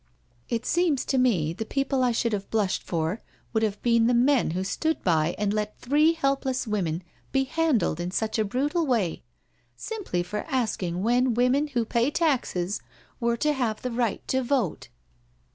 " It seems to me the people I should have blushed for would have been the men who stood by and let three helpless women be handled in such a brutal way, simply for asking when women who pay taxes were to have the right to vote."